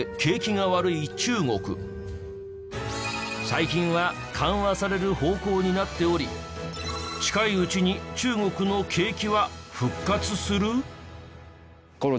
最近は緩和される方向になっており近いうちに中国の景気は復活する？